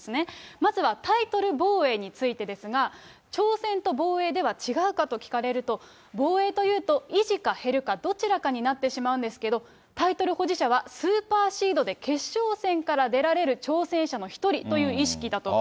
まずはタイトル防衛についてですが、挑戦と防衛では違うかと聞かれると、防衛というと、維持が減るかどちらかになってしまうんですけど、タイトル保持者は、スーパーシードで決勝戦から出られる挑戦者の一人という意識だと。